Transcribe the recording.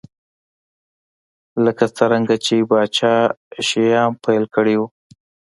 لکه څرنګه چې پاچا شیام پیل کړی و.